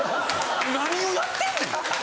何をやってんねん！